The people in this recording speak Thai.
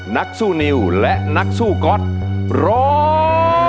นักสู้นิวและนักสู้ก๊อตร้อง